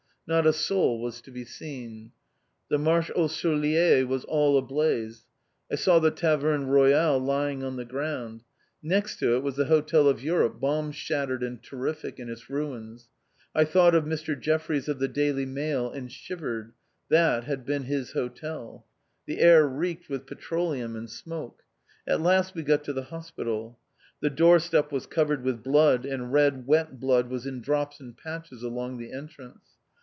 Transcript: Not a soul was to be seen. The Marché aux Souliers was all ablaze; I saw the Taverne Royale lying on the ground. Next to it was the Hotel de l'Europe, bomb shattered and terrific in its ruins. I thought of Mr. Jeffries of the Daily Mail and shivered; that had been his hotel. The air reeked with petroleum and smoke. At last we got to the hospital. The door step was covered with blood, and red, wet blood was in drops and patches along the entrance.